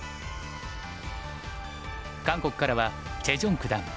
韓国からはチェ・ジョン九段。